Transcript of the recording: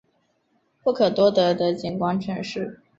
不可多得的景观城市